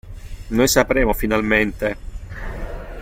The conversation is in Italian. Noi sapremo finalmente!